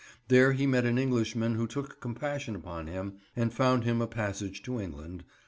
There he met an Englishman who took compassion upon him and found him a passage to England.